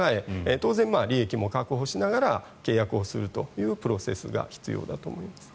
当然、利益も確保しながら契約をするというプロセスが必要だと思います。